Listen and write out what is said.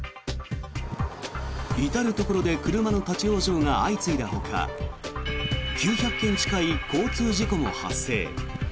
至るところで車の立ち往生が相次いだほか９００件近い交通事故も発生。